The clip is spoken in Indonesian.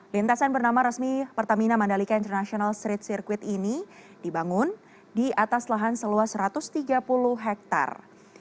lintasan bernama resmi pertamina mandalika international street circuit ini dibangun di atas lahan seluas satu ratus tiga puluh hektare